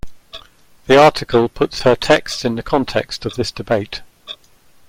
The article puts her text in the context of this debate.